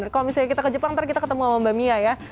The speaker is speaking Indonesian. kalau misalnya kita ke jepang nanti kita ketemu sama mbak mia ya